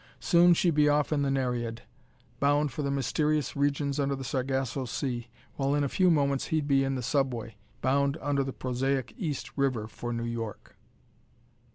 Soon she'd be off in the Nereid, bound for the mysterious regions under the Sargasso Sea, while in a few moments he'd be in the subway, bound under the prosaic East River for New York.